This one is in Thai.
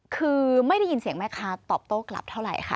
คือไม่ได้ยินเสียงแม่ค้าตอบโต้กลับเท่าไหร่ค่ะ